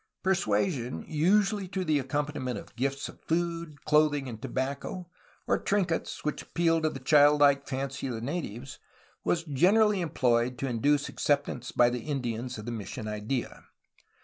Persuasion, usually to the accom paniment of gifts of food, clothing, and tobacco, or trinkets which appealed to the child like fancy of the natives, was generally employed to induce acceptance by the Indians of the mission idea.